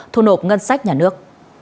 thu nộp ngân sách nhà nước